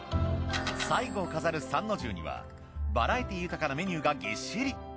最後を飾る参の重にはバラエティー豊かなメニューがぎっしり。